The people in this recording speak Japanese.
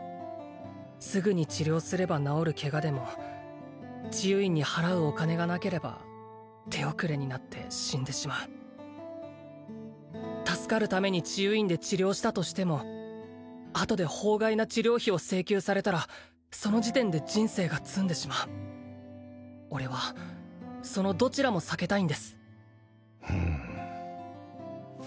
すぐに治療すれば治るケガでも治癒院に払うお金がなければ手遅れになって死んでしまう助かるために治癒院で治療したとしてもあとで法外な治療費を請求されたらその時点で人生が詰んでしまう俺はそのどちらも避けたいんですうん